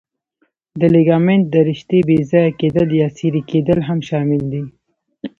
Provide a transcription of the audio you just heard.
د لیګامنت د رشتې بې ځایه کېدل یا څیرې کېدل هم شامل دي.